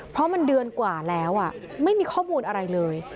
เพราะมันเดือนกว่าแล้วไม่มีข้อมูลอะไรเลย